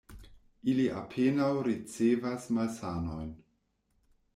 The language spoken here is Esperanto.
Ili apenaŭ ricevas malsanojn.